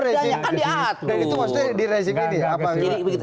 dan itu maksudnya di rezeki ini